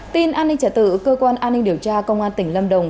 tin an ninh trẻ tử cơ quan an ninh điều tra công an tỉnh lâm đồng